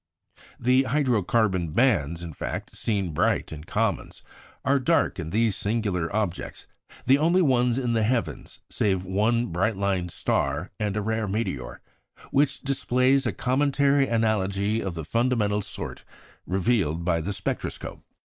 The hydro carbon bands, in fact, seen bright in comets, are dark in these singular objects the only ones in the heavens (save one bright line star and a rare meteor) which display a cometary analogy of the fundamental sort revealed by the spectroscope.